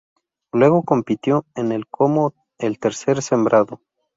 Luego compitió en el como el tercer sembrado.